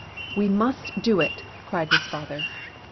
"We must do it!" cried his father.